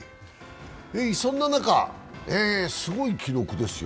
そんな中、すごい記録ですよ。